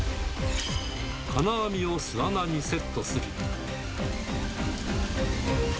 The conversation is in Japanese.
金網を巣穴にセットする。